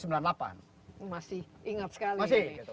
masih ingat sekali